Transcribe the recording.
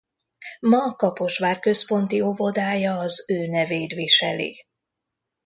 Ma Kaposvár központi óvodája az ő nevét viseli.